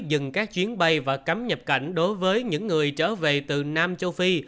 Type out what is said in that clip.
dừng các chuyến bay và cấm nhập cảnh đối với những người trở về từ nam châu phi